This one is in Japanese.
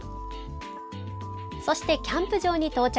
そしてキャンプ場に到着。